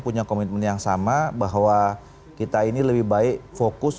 punya komitmen yang sama bahwa kita ini lebih baik fokus